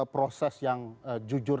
proses yang jujur